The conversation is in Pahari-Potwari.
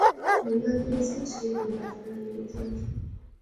ہن انگریزی اچ ٹیبل یاد کرانے نکیاں کی